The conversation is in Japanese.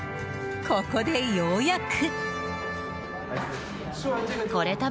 ここでようやく。